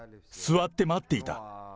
座って待っていた。